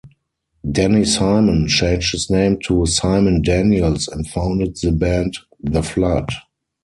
Danny Simon changed his name to Simon Daniels and founded the band The Flood.